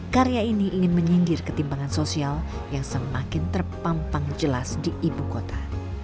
karya ini ingin menyindir ketimpangan sosial yang semakin terpampang jelas di ibu kota